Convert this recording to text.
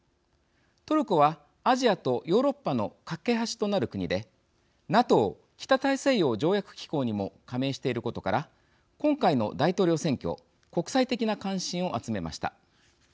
トルコはアジアとヨーロッパの懸け橋となる国でＮＡＴＯ＝北大西洋条約機構にも加盟していることから今回の大統領選挙国際的な関心を集めました。